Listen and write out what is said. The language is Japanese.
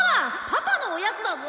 パパのおやつだぞ！